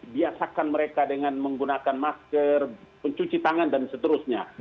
biasakan mereka dengan menggunakan masker mencuci tangan dan seterusnya